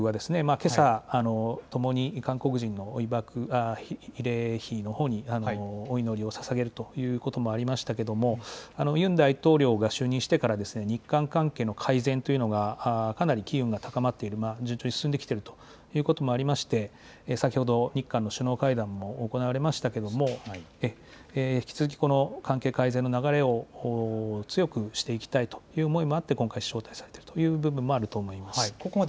またさらに韓国はけさ、ともに韓国人の被爆慰霊碑のほうにお祈りをささげるということもありましたがユン大統領が就任してから日韓関係の改善というのがかなり機運が高まっている、順調に進んできているということもあって先ほど日韓の首脳会談も行われましたが、引き続き関係改善の流れを強くしていきたいという思いもあって今回招待されたという部分もあると思います。